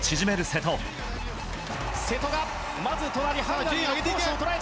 瀬戸がまず隣。